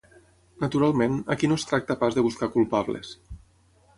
Naturalment, aquí no es tracta pas de buscar culpables.